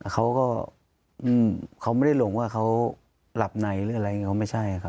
เค้าก็ไม่ได้หลวงว่าเค้าหลับไหนเช่นฟะหรือไม่ใช่ครับ